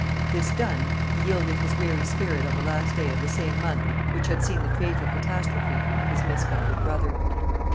This done, he yielded his weary spirit on the last day of the same month which had seen the fatal catastrophe of his misguided brother.